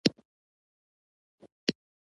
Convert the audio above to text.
الماري د دفتر فایلونو لپاره لازمي ده